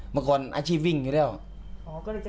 เมื่อก่อนอาศิภีภิ่งอยู่ด้วย